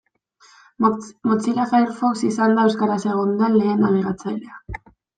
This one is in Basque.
Mozilla Firefox izan da euskaraz egon den lehen nabigatzailea.